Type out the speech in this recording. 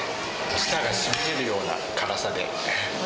舌がしびれるような辛さで。